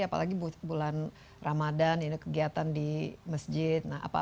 apalagi bulan ramadhan kegiatan di masjid